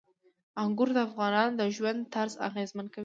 انګور د افغانانو د ژوند طرز اغېزمنوي.